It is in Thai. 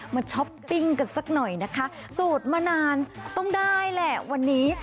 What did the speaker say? ช้อปปิ้งกันสักหน่อยนะคะสูตรมานานต้องได้แหละวันนี้